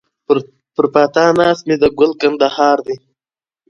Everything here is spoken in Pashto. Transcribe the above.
پر پاتا ناست مي ګل کندهار دی